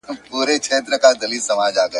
شاوخوا یې ترې را تاوکړله خطونه `